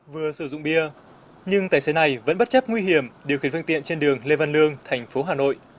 vừa sử dụng bia nhưng tài xế này vẫn bất chấp nguy hiểm điều khiển phương tiện trên đường lê văn lương thành phố hà nội